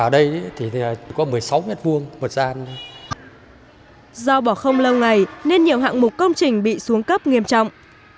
do bỏ không lâu ngày nên nhiều hạng mục công trình bị xuống cấp nghiêm trọng